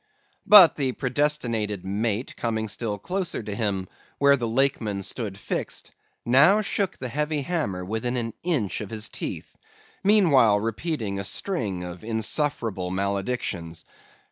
But the predestinated mate coming still closer to him, where the Lakeman stood fixed, now shook the heavy hammer within an inch of his teeth; meanwhile repeating a string of insufferable maledictions.